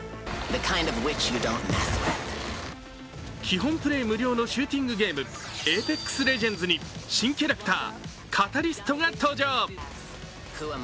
基本プレー無料のシューティングゲーム、「ＡｐｅｘＬｅｇｅｎｄｓ」に新キャラクター、カタリストが登場。